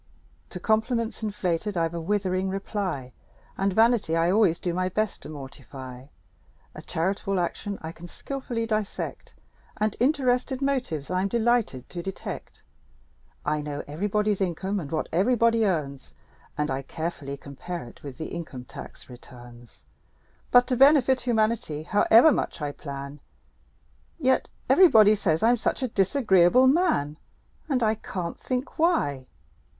To compliments inflated I've a withering reply; And vanity I always do my best to mortify; A charitable action I can skilfully dissect: And interested motives I'm delighted to detect. I know everybody's income and what everybody earns, And I carefully compare it with the income tax returns; But to benefit humanity, however much I plan, Yet everybody says I'm such a disagreeable man! And I can't think why!